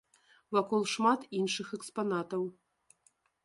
Вакол шмат іншых экспанатаў.